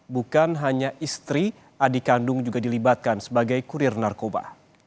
bukan hanya istri adik kandung juga dilibatkan sebagai kurir narkoba